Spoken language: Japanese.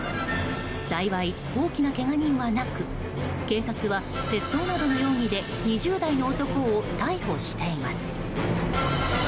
幸い、大きなけが人はなく警察は窃盗などの容疑で２０代の男を逮捕しています。